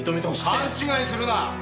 勘違いするな！